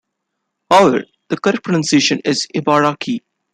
However, the correct pronunciation is "Ibara"ki".